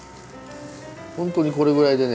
ホントにこれぐらいでね